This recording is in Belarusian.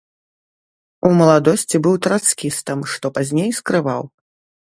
У маладосці быў трацкістам, што пазней скрываў.